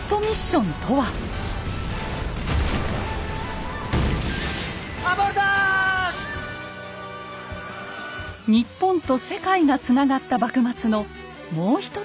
日本と世界がつながった幕末のもう一つの物語。